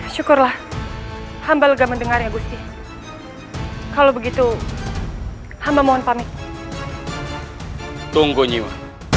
syukurlah hamba lega mendengar ya gusti kalau begitu hamba mohon pamit tunggu nyima